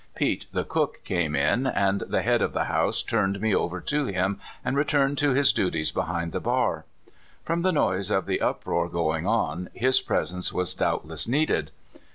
Pete, the cook, came in, and the head of the house turned me over to him, and returned to his duties behind the bar. From the noise of the up roar going on, his presence was doubtless needed.